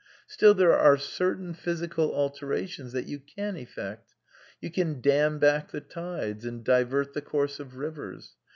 Still there are certain physical alterations that you can effect. You can dam back the tides and divert the course of rivers.